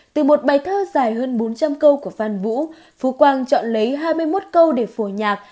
từ một bài thơ dài hơn bốn trăm linh câu của phan vũ phú quang chọn lấy hai mươi một câu để phổ nhạc